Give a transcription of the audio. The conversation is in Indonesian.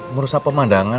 menurut siapa pemandangan